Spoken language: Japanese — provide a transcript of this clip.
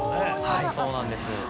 はいそうなんです。